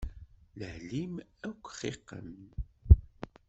Lehl-im akk xiqen.